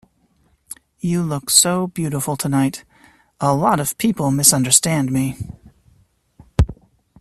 You look so beautiful tonight... A lot of people misunderstand me.